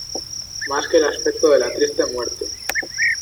Más que el aspecto de la triste muerte.